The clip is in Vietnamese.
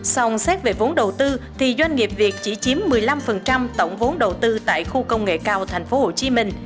xong xét về vốn đầu tư thì doanh nghiệp việt chỉ chiếm một mươi năm tổng vốn đầu tư tại khu công nghệ cao tp hcm